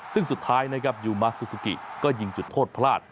ซึ่งสุดท้ายนะครับยูมาซูซูกิก็ยิงจุดโทษพลาด